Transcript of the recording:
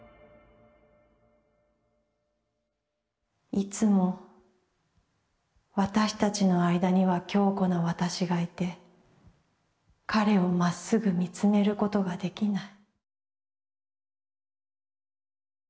「いつも私たちの間には強固な私がいて、彼をまっすぐ見つめることができない」。